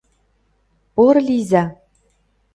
— Порылийза!